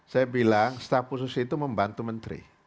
saya bilang staff khusus itu membantu menteri